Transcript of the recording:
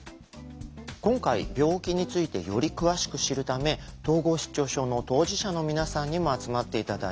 今回病気についてより詳しく知るため統合失調症の当事者の皆さんにも集まって頂いて座談会を開催しました。